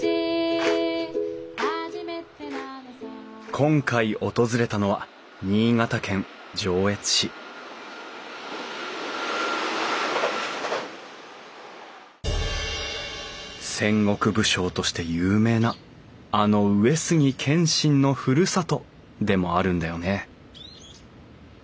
今回訪れたのは新潟県上越市戦国武将として有名なあの上杉謙信のふるさとでもあるんだよね